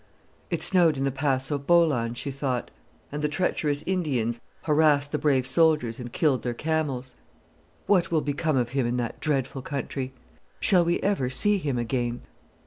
"It snowed in the Pass of Bolan," she thought; "and the treacherous Indians harassed the brave soldiers, and killed their camels. What will become of him in that dreadful country? Shall we ever see him again?"